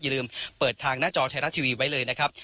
ลืมเปิดทางหน้าจอไทยรัฐทีวีไว้เลยนะครับ